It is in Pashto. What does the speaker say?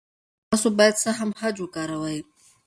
تاسو باید سم خج وکاروئ.